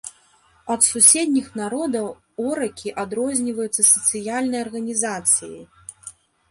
Ад суседніх народаў оракі адрозніваюцца сацыяльнай арганізацыяй.